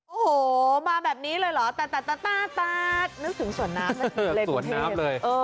โอ้โหมาแบบนี้เลยเหรอนึกถึงสวนน้ำสวนน้ำเลย